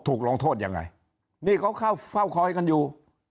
ถูกลงโทษยังไงนี่เขาเข้าเฝ้าคอยกันอยู่